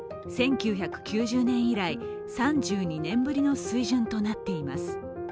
１９９０年以来、３２年ぶりの水準となっています。